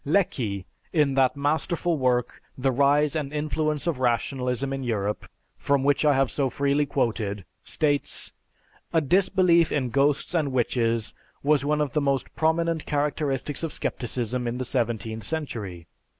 Lecky, in that masterful work, "The Rise and Influence of Rationalism in Europe," from which I have so freely quoted, states, "A disbelief in ghosts and witches was one of the most prominent characteristics of Scepticism in the seventeenth century.